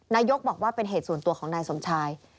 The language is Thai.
นายกบอกว่าเป็นเหตุส่วนตัวของนายสมชาย